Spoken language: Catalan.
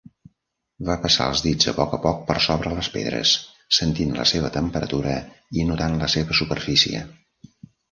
Va passar els dits a poc a poc per sobre les pedres, sentint la seva temperatura i notant la seva superfície.